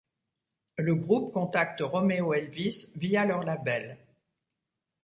Le groupe contacte Roméo Elvis via leur label.